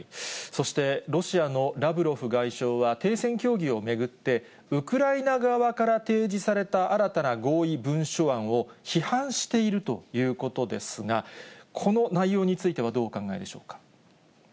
そして、ロシアのラブロフ外相は、停戦協議を巡って、ウクライナ側から提示された新たな合意文書案を、批判しているということですが、この内容についてはどうお考えでしょうか？